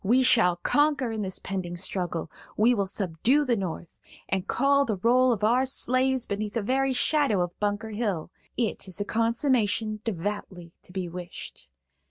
We shall conquer in this pending struggle; we will subdue the North, and call the roll of our slaves beneath the very shadow of Bunker Hill. 'It is a consummation devoutly to be wished.'